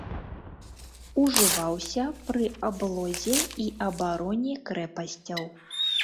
Ужываўся пры аблозе і абароне крэпасцяў.